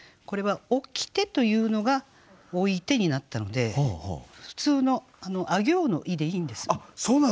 これは「置きて」というのが「置いて」になったので普通のあ行の「い」でいいんですね。